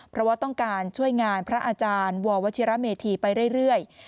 เพราะว่าต้องการช่วยงานพระอาจารย์ววชิระเมธีไปเรื่อย